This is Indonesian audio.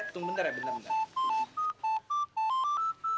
eh tunggu bentar ya bentar bentar